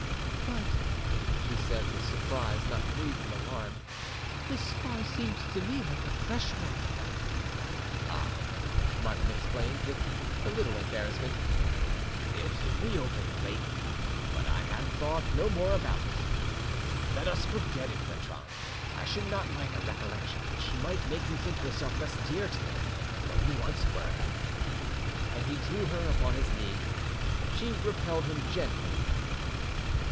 "But," she said, with surprise not free from alarm, "this scar seems to me like a fresh one." "Ah!" Martin explained, with a, little embarrassment; "it reopened lately. But I had thought no more about it. Let us forget it, Bertrande; I should not like a recollection which might make you think yourself less dear to me than you once were." And he drew her upon his knee. She repelled him gently.